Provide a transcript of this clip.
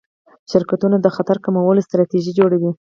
شرکتونه د خطر کمولو ستراتیژي جوړوي.